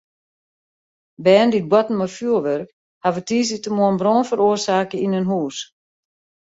Bern dy't boarten mei fjurwurk hawwe tiisdeitemoarn brân feroarsake yn in hûs.